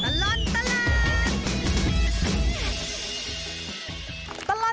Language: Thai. ชั่วตลอดตลาด